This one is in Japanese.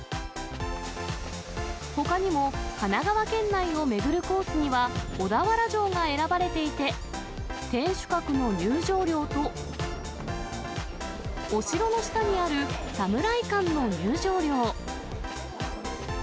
ほかにも、神奈川県内を巡るコースには、小田原城が選ばれていて、天守閣の入場料と、お城の下にあるサムライ館の入場料。